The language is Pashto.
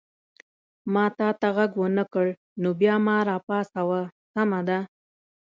ما تا ته غږ ونه کړ نو بیا ما را پاڅوه، سمه ده؟